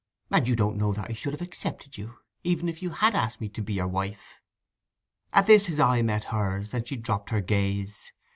'And you don't know that I should have accepted you, even if you had asked me to be your wife.' At this his eye met hers, and she dropped her gaze.